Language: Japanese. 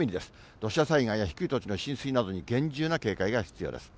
土砂災害や低い土地の浸水などに厳重な警戒が必要です。